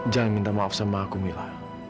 jangan minta maaf sama aku mila